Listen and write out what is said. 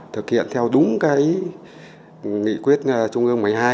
thực hiện theo đúng cái nghị quyết trung ương một mươi hai